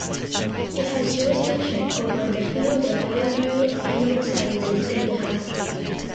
It has jurisdiction over the field of veterinary and animal sciences in Bihar.